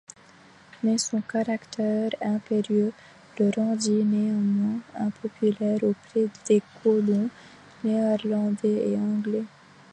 Mais son caractère impérieux, le rendit néanmoins impopulaire auprès des colons néerlandais et anglais.